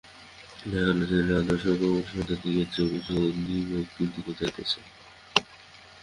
দেখা গেল ছেলের আদর্শ ক্রমশই আধ্যাত্মিকের চেয়ে বেশি আধিভৌতিকের দিকে যাইতেছে।